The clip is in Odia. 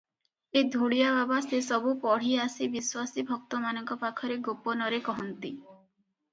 ଏ ଧୂଳିଆ ବାବା ସେ ସବୁ ପଢ଼ି ଆସି ବିଶ୍ୱାସୀ ଭକ୍ତମାନଙ୍କ ପାଖରେ ଗୋପନରେ କହନ୍ତି ।